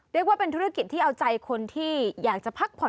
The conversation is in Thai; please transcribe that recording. เรียกว่าเป็นธุรกิจที่เอาใจคนที่อยากจะพักผ่อน